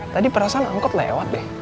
tadi perasaan angkot lewat deh